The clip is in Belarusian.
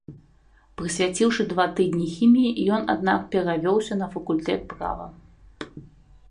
Прысвяціўшы два тыдні хіміі, ён аднак перавёўся на факультэт права.